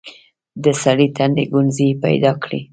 د سړي تندي ګونځې پيدا کړې.